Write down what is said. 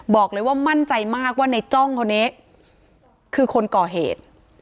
บอกเลยว่ามั่นใจมากว่าในจ้องคนนี้คือคนก่อเหตุ